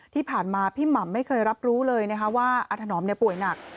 ที่ผ่านมาพี่หม่ำไม่เคยรับรู้เลยนะคะว่าอาถนอมป่วยหนัก